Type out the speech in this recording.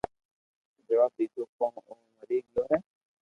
جواب ديدو ڪو او مري گيو ھي